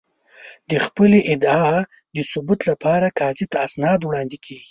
د خپلې ادعا د ثبوت لپاره قاضي ته اسناد وړاندې کېږي.